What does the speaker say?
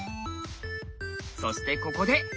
そしてここで。